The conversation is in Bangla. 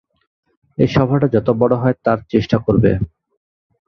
এই সভাটা যত বড় হয়, তার চেষ্টা করবে।